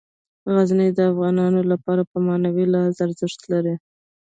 غزني د افغانانو لپاره په معنوي لحاظ ارزښت لري.